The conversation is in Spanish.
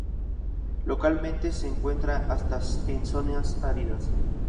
Localmente se encuentra hasta en zonas áridas.